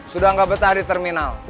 sudah nggak betah di terminal